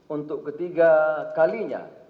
untuk ketiga kalinya